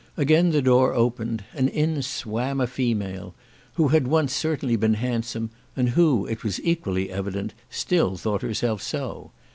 Again the door opened, and in swam a female, who had once certainly been handsome, and who, it was equally evident, still thought herself so.